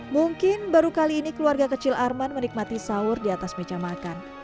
mungkin baru kali ini keluarga kecil arman menikmati sahur di atas meja makan